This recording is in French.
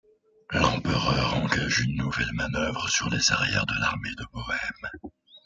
L’Empereur engage une nouvelle manœuvre sur les arrières de l’armée de Bohême.